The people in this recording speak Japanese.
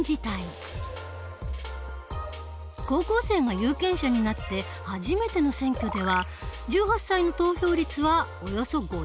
高校生が有権者になって初めての選挙では１８歳の投票率はおよそ５１％。